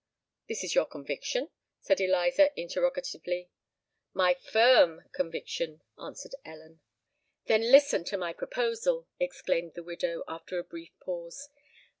"This is your conviction?" said Eliza, interrogatively. "My firm conviction," answered Ellen. "Then listen to my proposal," exclaimed the widow, after a brief pause.